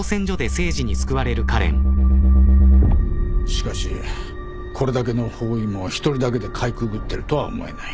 しかしこれだけの包囲網を一人だけでかいくぐってるとは思えない。